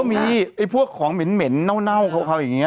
มีพวกของเหม็นเน่าเขาอย่างนี้